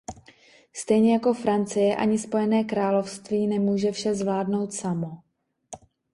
Stejně jako Francie, ani Spojené království nemůže vše zvládnout samo.